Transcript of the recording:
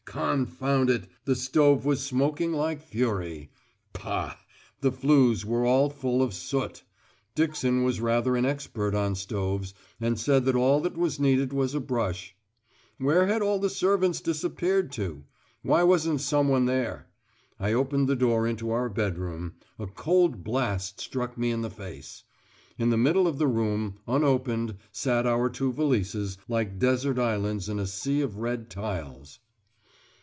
Confound it! The stove was smoking like fury. Pah! The flues were all full of soot. Dixon was rather an expert on stoves, and said that all that was needed was a brush. Where had all the servants disappeared to? Why wasn't someone there? I opened the door into our bedroom a cold blast struck me in the face. In the middle of the room, unopened, sat our two valises, like desert islands in a sea of red tiles.